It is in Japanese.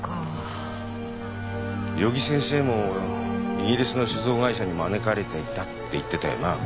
余木先生も「イギリスの酒造会社に招かれていた」って言ってたよな。